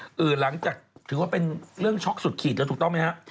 หลังจากถือว่าเป็นเรื่องช็อกสุดขีดแล้วถูกต้องไหมฮะ